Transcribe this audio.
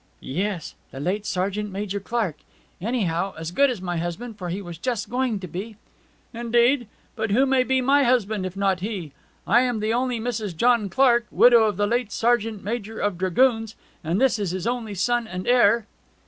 'Yes. The late Sergeant Major Clark. Anyhow, as good as my husband, for he was just going to be.' 'Indeed. But who may be my husband, if not he? I am the only Mrs. John Clark, widow of the late Sergeant Major of Dragoons, and this is his only son and heir.'